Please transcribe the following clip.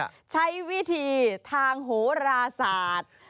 ใช้วิธีทางโหราศาสตร์